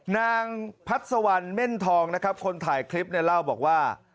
นางพัทธวันเม่นทองคนถ่ายคลิปนี่เล่าบอกว่า